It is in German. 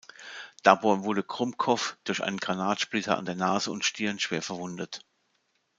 Dabei wurde Grumbkow durch einen Granatsplitter an der Nase und Stirn schwer verwundet.